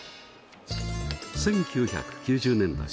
１９９０年代